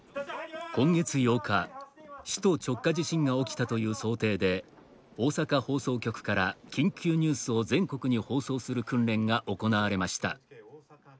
今月８日、首都直下地震が起きたという想定で大阪放送局から緊急ニュースを全国に放送する訓練が行われました。